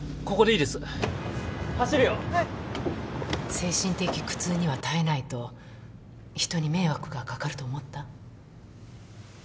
精神的苦痛には耐えないと人に迷惑がかかると思った？